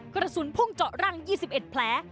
กระสุนพุ่งเจาะร่าง๒๑แผล